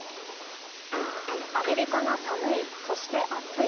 アメリカが寒い、そして暑い。